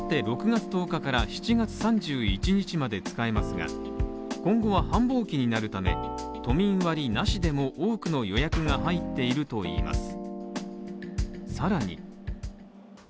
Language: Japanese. ６月１０日から７月３１日まで使えますが今後は繁忙期になるため、都民割なしでも多くの予約が入っているといいます。